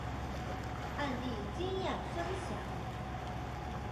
案例经验分享